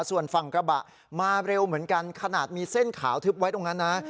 ส่วนฝั่งกระบะมาเร็วเหมือนกันขนาดมีเส้นขาวทึบไว้ตรงนั้นนะ